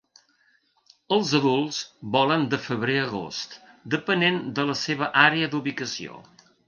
Els adults volen de febrer a agost, depenent de la seva àrea d'ubicació.